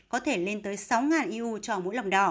có thể lên tới sáu eu cho mỗi lòng đỏ